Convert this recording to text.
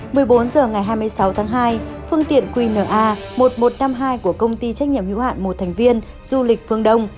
một mươi bốn h ngày hai mươi sáu tháng hai phương tiện qna một nghìn một trăm năm mươi hai của công ty trách nhiệm hữu hạn một thành viên du lịch phương đông